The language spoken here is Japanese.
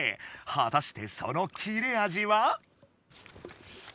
はたしてその切れあじは？